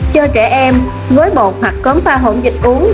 cho trẻ em gối bột hoặc cốm pha hỗn dịch uống